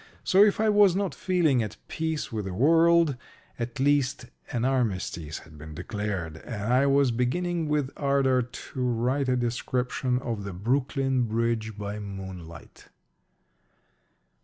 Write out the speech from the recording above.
So if I was not feeling at peace with the world, at least an armistice had been declared; and I was beginning with ardor to write a description of the Brooklyn Bridge by moonlight.